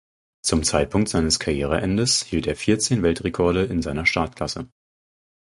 Zum Zeitpunkt seines Karriereendes hielt er vierzehn Weltrekorde in seiner Startklasse.